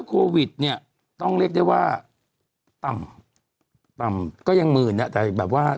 โควิดเนี่ยต้องเรียกได้ว่าต่ำต่ำก็ยังหมื่นอ่ะแต่แบบว่า